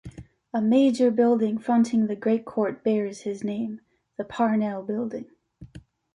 A major building fronting the Great Court bears his name - the Parnell building.